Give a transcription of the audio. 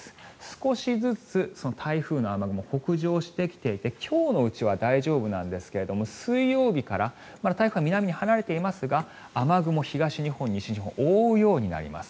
少しずつ台風の雨雲北上してきていて今日のうちは大丈夫なんですが水曜日からまだ台風は南に離れていますが雨雲が東日本、西日本を覆うようになります。